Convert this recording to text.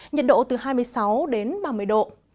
nhiệt độ từ hai mươi sáu đến ba mươi độ